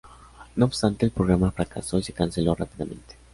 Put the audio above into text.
No obstante, el programa fracasó y se canceló rápidamente.